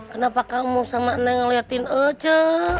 kenapa kamu sama anak ngeliatin aja